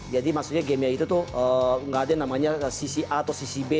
jadi maksudnya game game itu tuh nggak ada yang namanya sisi a atau sisi b